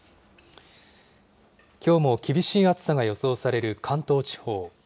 きょうも厳しい暑さが予想される関東地方。